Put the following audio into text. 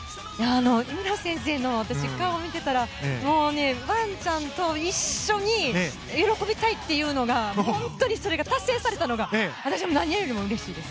井村先生の顔を見ていたらワンちゃんと一緒に喜びたいというのが本当にそれが達成されたのが私、何よりもうれしいです。